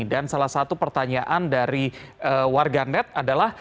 dan salah satu pertanyaan dari warga net adalah